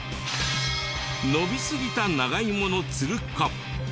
伸びすぎた長芋のツルか？